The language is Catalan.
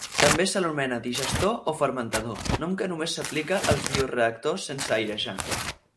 També se l'anomena digestor o fermentador, nom que només s'aplica als bioreactors sense airejar.